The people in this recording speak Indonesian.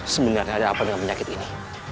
sebenarnya ada apa dengan penyakit ini